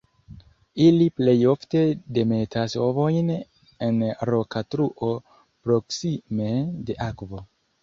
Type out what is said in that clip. Ili plej ofte demetas ovojn en roka truo proksime de akvo.